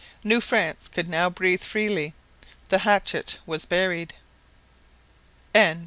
New France could now breathe freely. The hatchet was buried.